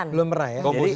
belum pernah ya